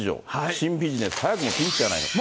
新ビジネス、早くもピンチじゃないのか。